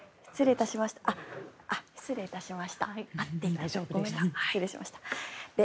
失礼いたしました。